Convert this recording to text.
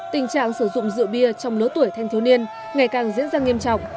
tình trạng sử dụng rượu bia trong lứa tuổi thanh thiếu niên ngày càng diễn ra nghiêm trọng